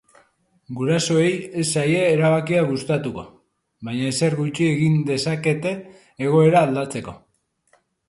Gurasoei ez zaie erabakia gustatuko, baina ezer gutxi egin dezakete egoera aldatzeko.